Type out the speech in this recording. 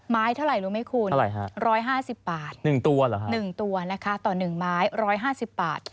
ไม้เท่าไรรู้ไหมคุณร้อยห้าสิบบาทหนึ่งตัวนะคะต่อหนึ่งไม้ร้อยห้าสิบบาท